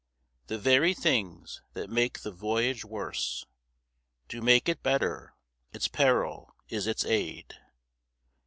The very things that make the voyage worse Do make it better; its peril is its aid.